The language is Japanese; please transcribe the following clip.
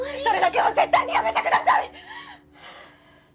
それだけは絶対にやめてください！！